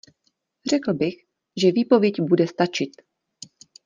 Řekl bych, že výpověď bude stačit.